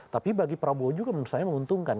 tapi bagi prabowo juga menurut saya menguntungkan